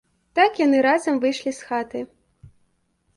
Так яны разам выйшлі з хаты.